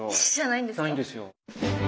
ないんですよ。